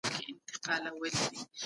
افغانستان یو پېچلی خو بډایه تاریخ لري.